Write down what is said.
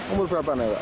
umur berapa anaknya